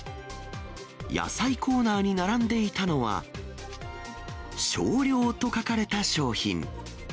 野菜コーナーに並んでいたのは、少量と書かれた商品。